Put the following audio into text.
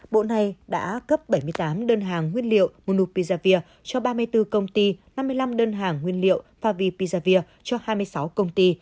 bộ này đã cấp bảy mươi tám đơn hàng nguyên liệu monu pizavir cho ba mươi bốn công ty năm mươi năm đơn hàng nguyên liệu pavisavir cho hai mươi sáu công ty